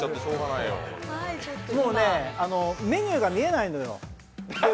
メニューが見えないのよ。